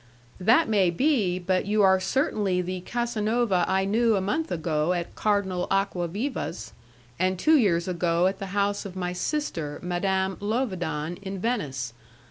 "That may be, but you are certainly the Casanova I knew a month ago at Cardinal Acquaviva's, and two years ago at the house of my sister, Madame Lovedan, in Venice.